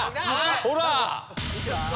ほら！